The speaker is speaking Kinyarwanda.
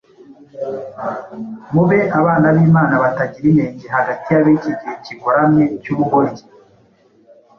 mube abana b’Imana batagira inenge hagati y’ab’igihe kigoramye cy’ubugoryi,